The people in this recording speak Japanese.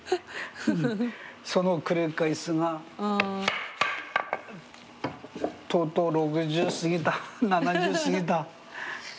その繰り返しがとうとう６０過ぎた７０過ぎたねえ。